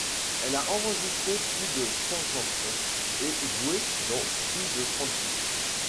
Elle a enregistré plus de cent chansons et joué dans plus de trente films.